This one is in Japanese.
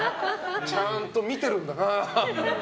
ちゃんと見てるんだな。